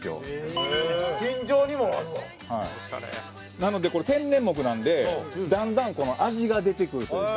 なのでこれ天然木なんでだんだん味が出てくるというか。